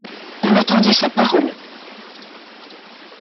On attendait sa parole.